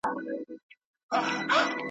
خیال مي ځي تر ماشومتوبه د مُلا تر تاندي لښتي ,